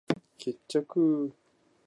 決着ゥゥゥゥゥ！